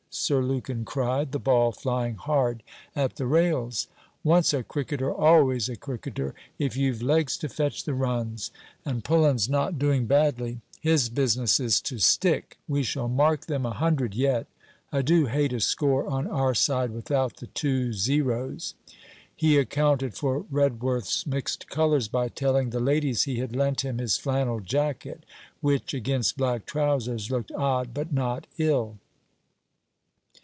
Sir Lukin cried, the ball flying hard at the rails. 'Once a cricketer, always a cricketer, if you've legs to fetch the runs. And Pullen's not doing badly. His business is to stick. We shall mark them a hundred yet. I do hate a score on our side without the two 00's.' He accounted for Redworth's mixed colours by telling the ladies he had lent him his flannel jacket; which, against black trousers, looked odd but not ill.